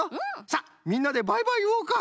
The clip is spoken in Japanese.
さあみんなでバイバイいおうか。